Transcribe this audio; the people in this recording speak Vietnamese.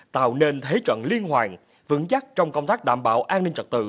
thế trận liên hoàn vững chắc trong công tác đảm bảo an ninh trật tự